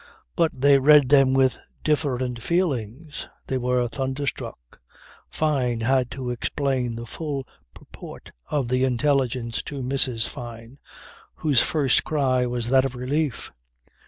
But they read them with different feelings. They were thunderstruck. Fyne had to explain the full purport of the intelligence to Mrs. Fyne whose first cry was that of relief.